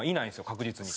確実に。